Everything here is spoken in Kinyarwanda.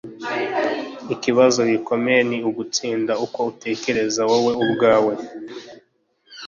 “ikibazo gikomeye ni ugutsinda uko utekereza wowe ubwawe.”